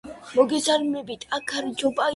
მან კიდევ ააშენა სკოლა და აბანო.